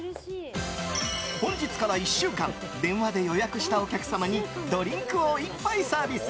本日から１週間電話で予約したお客様にドリンクを１杯サービス！